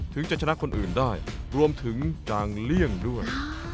ถึงจะชนะคนอื่นได้รวมถึงจางเลี่ยงด้วย